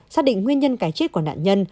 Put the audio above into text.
xác định nguyên nhân cái chết của nạn nhân